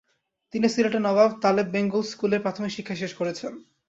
তিনি সিলেটের নবাব তালেব বেঙ্গল স্কুলে প্রাথমিক শিক্ষা শেষ করেছেন।